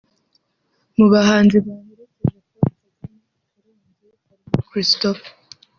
Mu bahanzi baherekeje Paul Kagame i Karongi harimo Christopher